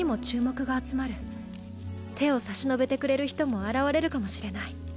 手を差し伸べてくれる人も現れるかもしれない。